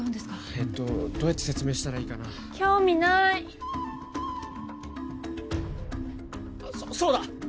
えっとどうやって説明したらいいかな興味なーいそうだ！